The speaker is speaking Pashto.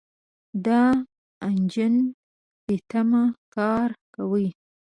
دا انجن بېتمه کار کوي.